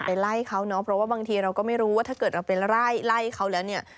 ไปไล่เขาเนาะเพราะว่าบางทีเราก็ไม่รู้ว่าถ้าเกิดเราไปไล่ไล่เขาแล้วเนี่ย